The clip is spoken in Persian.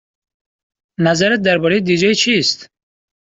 نظرت درباره دی جی چیست؟